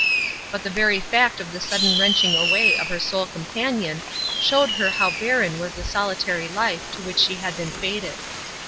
But the very fact of the sudden wrenching away of her soul companion, showed her how barren was the solitary life to which she had been fated.